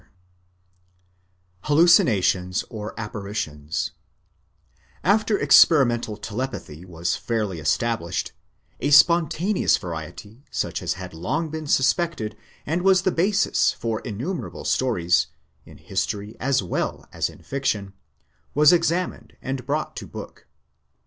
Psychic Science 575 Hallucinations or Apparitions After experimental telepathy was fairly established, a spon taneous variety such as had long been suspected and was the basis for innumerable stories, in history as well as in fiction, was examined and brought to book.